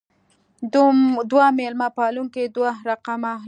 دوه مېلمه پالونکې دوه رقمه لباس.